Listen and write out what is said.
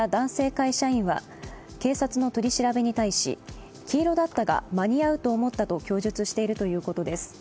会社員は警察の取り調べに対し黄色だったが間に合うと思ったと供述しているということです。